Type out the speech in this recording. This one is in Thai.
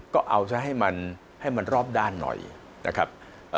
ก็เอาซะให้มันให้มันรอบด้านหน่อยนะครับ